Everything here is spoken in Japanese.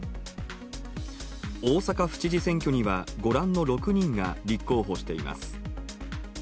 大阪府知事選挙には、ご覧の６人が立候補しています。